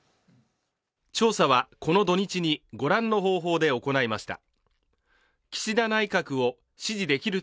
調査はこの土日にご覧の方法で行いました